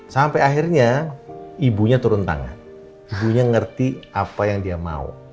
sampai akhirnya ibunya turun tangan ibunya ngerti apa yang dia mau